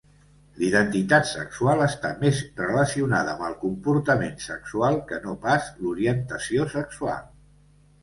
La identitat sexual està més relacionada amb el comportament sexual que no pas l'orientació sexual.